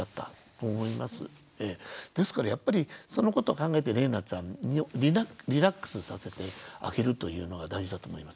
ですからやっぱりそのことを考えてれいなちゃんにリラックスさせてあげるというのが大事だと思います。